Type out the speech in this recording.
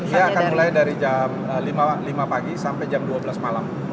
dia akan mulai dari jam lima pagi sampai jam dua belas malam